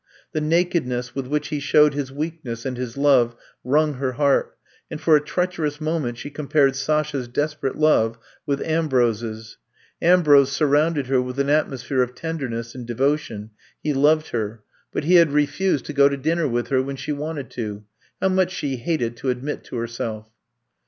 The nakedness with which he showed his weakness and his love wrung her heart, and for a treacherous moment she compared Sasha 's desperate love with Ambrose 's. Ambrose surrounded her with an atmosphere of tenderness and devo tion — he loved her — ^but he had refused to 160 I'VE COMB TO STAY go to dinner with her when she wanted to — ^how much she hated to admit to her self.